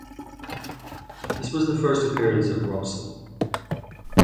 This was the first appearance of Robson.